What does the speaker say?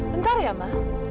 bentar ya ma